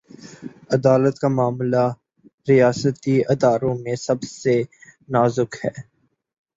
عدالت کامعاملہ، ریاستی اداروں میں سب سے نازک ہے۔